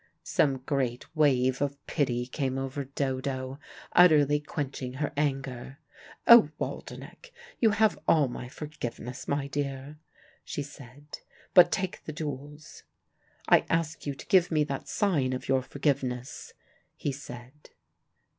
Some great wave of pity came over Dodo, utterly quenching her anger. "Oh, Waldenech, you have all my forgiveness, my dear," she said. "But take the jewels." "I ask you to give me that sign of your forgiveness," he said.